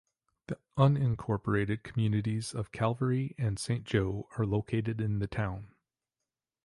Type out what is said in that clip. The unincorporated communities of Calvary and Saint Joe are located in the town.